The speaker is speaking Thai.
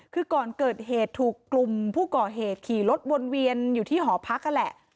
คือก่อนเกิดเหตุถูกกลุ่มผู้ก่อเหตุขี่รถวนเวียนอยู่ที่หอพักนั่นแหละ